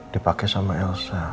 dipake sama elsa